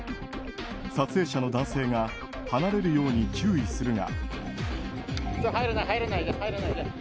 撮影者の男性が離れるように注意するが。